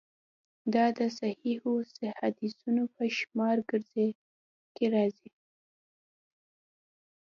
دا د صحیحو حدیثونو په شمار کې راځي.